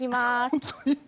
本当に？